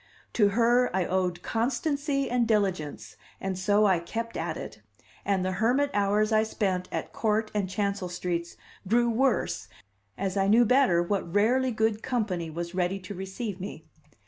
To her I owed constancy and diligence, and so I kept at it; and the hermit hours I spent at Court and Chancel streets grew worse as I knew better what rarely good company was ready to receive me.